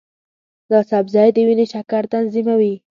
دا سبزی د وینې شکر تنظیموي.